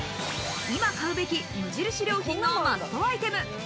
今買うべき無印良品のマストアイテム。